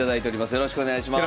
よろしくお願いします。